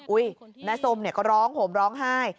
อุ๊ยแม่ส้มก็ร้องห่มร้องไห้